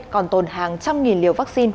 còn tồn hàng trăm nghìn liều vaccine